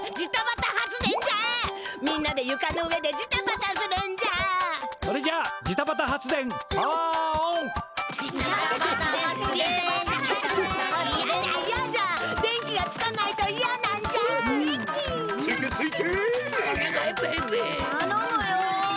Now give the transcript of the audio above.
たのむよ。